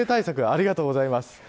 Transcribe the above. ありがとうございます。